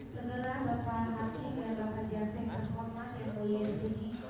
segera bapak masih dan bapak jaseng pertama yang beli yang sini